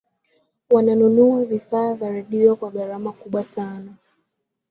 wananunua vifaa vya redio kwa gharama kubwa sana